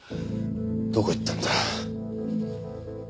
どこ行ったんだ。